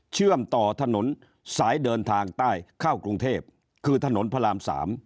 เชื่อมต่อถนนสายเดินทางใต้เข้ากรุงเทพคือถนนพระราม๓